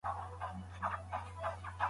زبير بن عوام د عشره مبشره صحابه وو څخه دی.